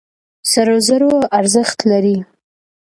سرو زرو ارزښت لري.